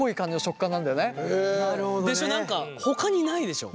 でしょ。